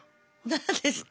何ですか？